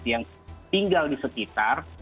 yang tinggal di sekitar